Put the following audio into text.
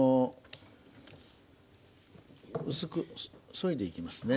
薄くそいでいきますね。